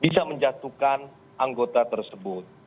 bisa menjatuhkan anggota tersebut